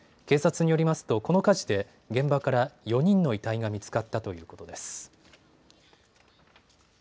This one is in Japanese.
警察によりますとこの火事で現場から４人の遺体が見つかったということです。